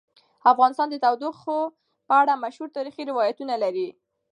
افغانستان د تودوخه په اړه مشهور تاریخی روایتونه لري.